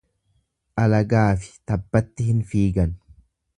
Alagaafi tabbatti hin fiigan.